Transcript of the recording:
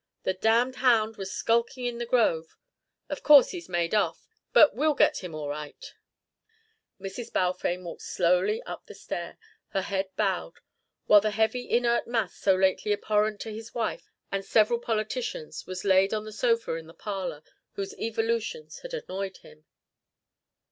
The damned hound was skulking in the grove. Of course he's made off, but we'll get him all right." Mrs. Balfame walked slowly up the stair, her head bowed, while the heavy inert mass so lately abhorrent to his wife and several politicians was laid on the sofa in the parlour whose evolutions had annoyed him.